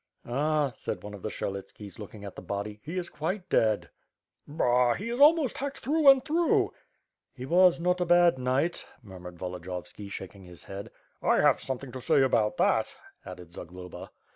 "Ah!" said one of the Syelitskis, looking at the body, "he is quite dead." WITH FIRE A^D SWORD. ^^g "Bah! he is almost hacked through and through." "He was not a bad knight," murmured Volodiyovski, shak ing his head. "I have something to say about that," added Zagloba.